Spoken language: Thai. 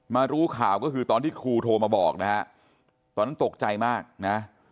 รู้ข่าวก็คือตอนที่ครูโทรมาบอกนะฮะตอนนั้นตกใจมากนะ